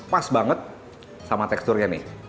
pas banget sama teksturnya nih